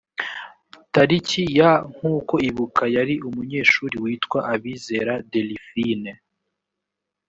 tariki ya nk uko ibuka yari umunyeshuri witwa abizera deliphine